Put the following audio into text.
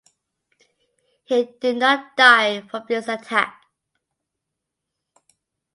He did not die from this attack.